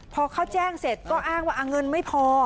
พอเขาแจ้งเสร็จก็อ้างว่าเงินไม่พอ